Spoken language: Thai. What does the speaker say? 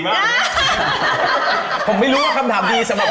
เพราะฉะนั้นมันให้พัฒน์